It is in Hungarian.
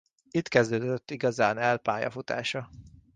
Itt kezdődött igazán el pályafutása.